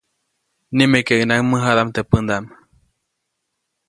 Nimekeʼuŋnaʼajk mäjadaʼm teʼ pändaʼm.